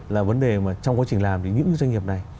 là vấn đề mà trong quá trình làm thì những cái doanh nghiệp này